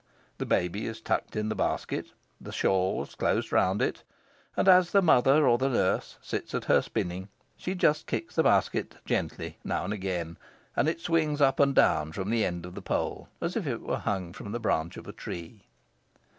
The baby is tucked in the basket, the shawls closed round it; and as the mother or the nurse sits at her spinning, she just kicks the basket gently now and again, and it swings up and down from the end of the pole, as if it were hung from the branch of a tree.